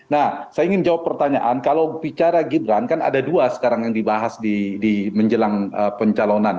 nah saya ingin jawab pertanyaan kalau bicara gibran kan ada dua sekarang yang dibahas di menjelang pencalonan